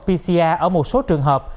pcr ở một số trường hợp